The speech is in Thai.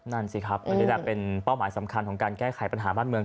นั่นสิครับอันนี้แหละเป็นเป้าหมายสำคัญของการแก้ไขปัญหาบ้านเมือง